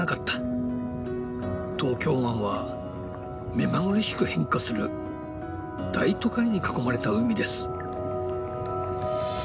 東京湾は目まぐるしく変化する大都会に囲まれた海です。